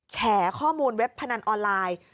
แฉข้อมูลเว็บพนันออนไลน์